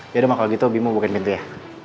yaudah maka gitu bimo bukin pintu ya